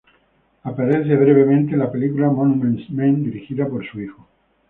Aparece brevemente en la película Monuments Men, dirigida por su hijo.